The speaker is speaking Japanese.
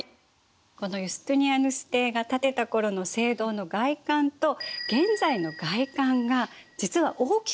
このユスティニアヌス帝が建てた頃の聖堂の外観と現在の外観が実は大きく変わってるところがあるの。